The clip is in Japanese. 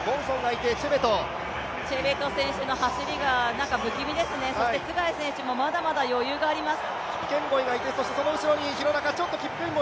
チェベト選手の走りが不気味ですね、ツェガイ選手もまだまだ余裕があります。